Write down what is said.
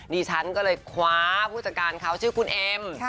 ดิฉันก็เลยคว้าผู้จัดการเขาชื่อคุณเอ็ม